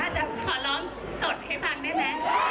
หรือหน่าจะขอร้องสดให้ฟังได้นะ